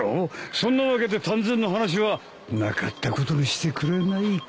そんなわけで丹前の話はなかったことにしてくれないか。